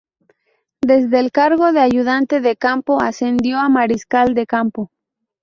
Desde el cargo de ayudante de campo ascendió a Mariscal de Campo.